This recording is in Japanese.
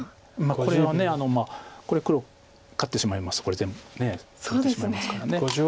これはこれ黒勝ってしまいますとこれ全部取ってしまいますから。